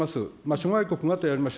諸外国がとありました、